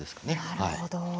なるほど。